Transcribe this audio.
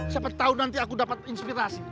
siapa tahu nanti aku dapat inspirasi